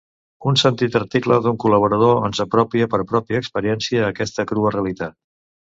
Un sentit article d'un col·laborador ens apropa per pròpia experiència a aquesta crua realitat.